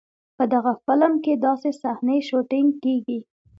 په دغه فلم کې داسې صحنې شوټېنګ کېږي.